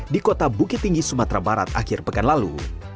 di kota bukit tinggi sumatera barat akhir pekan lalu